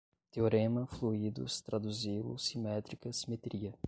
Teorema, fluidos, traduzi-lo, simétrica, simetria